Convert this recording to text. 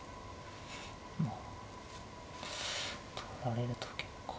取られると結構。